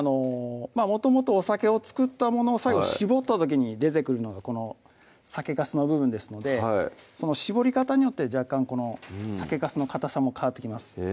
もともとお酒を造ったものを最後絞った時に出てくるのがこの酒粕の部分ですのでこの絞り方によって若干酒粕のかたさも変わってきます